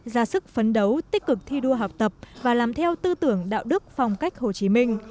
ra sức phấn đấu tích cực thi đua học tập và làm theo tư tưởng đạo đức phong cách hồ chí minh